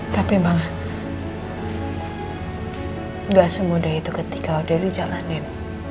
tapi malah gak semudah itu ketika udah dijalanin